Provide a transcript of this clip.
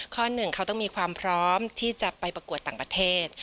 ข้อหนึ่งเขาต้องมีความพร้อมที่จะไปประกวดต่างประเทศ